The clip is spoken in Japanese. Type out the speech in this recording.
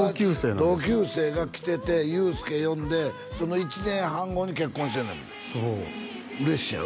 同級生が来てて裕介呼んでその１年半後に結婚してんねんもんそう嬉しいやろ？